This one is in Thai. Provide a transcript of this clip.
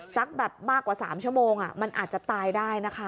สักแบบมากกว่า๓ชั่วโมงมันอาจจะตายได้นะคะ